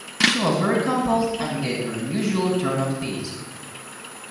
She was very composed and gave her usual turn of speed.